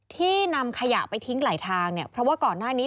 ที่นำขยะไปทิ้งหลายทางเนี่ยเพราะว่าก่อนหน้านี้